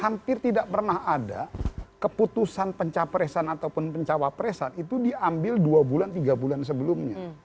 hampir tidak pernah ada keputusan pencapresan ataupun pencawapresan itu diambil dua bulan tiga bulan sebelumnya